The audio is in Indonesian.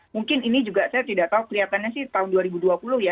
mungkin ini juga saya tidak tahu kelihatannya sih tahun dua ribu dua puluh ya